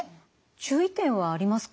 注意点はありますか？